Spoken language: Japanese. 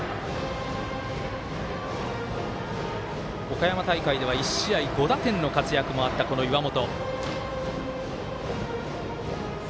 岡山大会では１試合５打点の活躍もあったこの岩本。